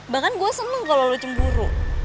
bahkan gue seneng kalau lo cemburu